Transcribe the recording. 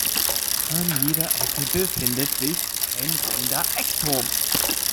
An jeder Ecke befindet sich ein runder Eckturm.